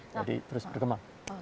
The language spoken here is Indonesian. jadi terus bergema